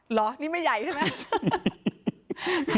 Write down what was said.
เหรอนี่ไม่ใหญ่ใช่ไหม